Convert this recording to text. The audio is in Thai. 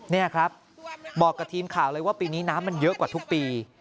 นี่ครับบอกกับทีมข่าวเลยว่าปีนี้น้ำมันเยอะกว่าทุกปี